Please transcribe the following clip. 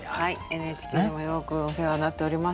ＮＨＫでもよくお世話になっております。